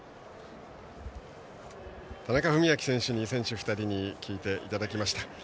田中史朗選手に選手２人に聞いていただきました。